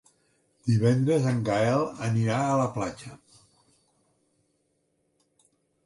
Divendres en Gaël anirà a la platja.